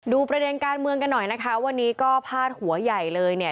ประเด็นการเมืองกันหน่อยนะคะวันนี้ก็พาดหัวใหญ่เลยเนี่ย